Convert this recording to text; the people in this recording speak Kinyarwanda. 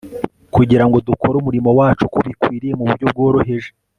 kugira ngo dukore umurimo wacu uko bikwiriye, mu buryo bworoheje